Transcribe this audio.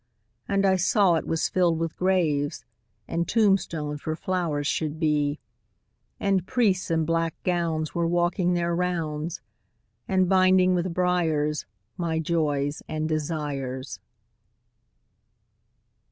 And I saw it was filled with graves, And tombstones where flowers should be; And priests in black gowns were walking their rounds, And binding with briars my joys and desires.